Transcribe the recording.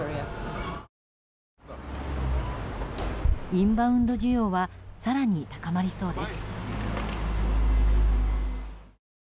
インバウンド需要は更に高まりそうです。